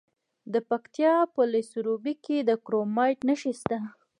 د پکتیکا په سروبي کې د کرومایټ نښې شته.